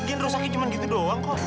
mungkin rusaknya cuma gitu doang kok